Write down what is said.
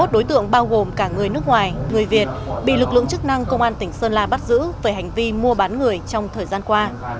hai mươi đối tượng bao gồm cả người nước ngoài người việt bị lực lượng chức năng công an tỉnh sơn la bắt giữ về hành vi mua bán người trong thời gian qua